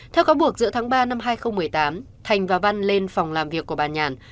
theo cáo buộc giữa tháng ba năm hai nghìn một mươi tám thành và văn lên phòng làm việc của bà nhàn